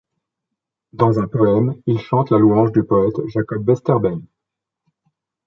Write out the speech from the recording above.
Dans un poème, il chante la louange du poète Jacob Westerbaen.